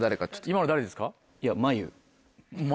今の誰ですか？